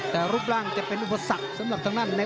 แต่รูปร่างจะเป็นอุปสรรคสำหรับทั้งนั้น